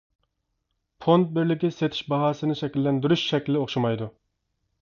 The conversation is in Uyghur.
فوند بىرلىكى سېتىش باھاسىنى شەكىللەندۈرۈش شەكلى ئوخشىمايدۇ.